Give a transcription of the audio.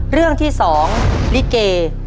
เรื่องที่๒ลิเก